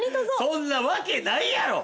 ◆そんなわけないやろ。